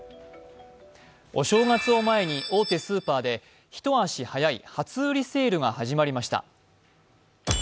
お正月を前に大手スーパーで一足早い初売りセールが始まりました。